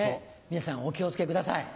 皆さんお気を付けください。